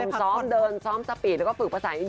ออกงานอีเวนท์ครั้งแรกไปรับรางวัลเกี่ยวกับลูกทุ่ง